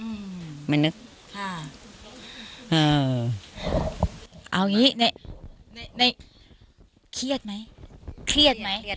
อืมไม่นึกค่ะเอ่อเอาอย่างงี้ในในเครียดไหมเครียดไหมเครียด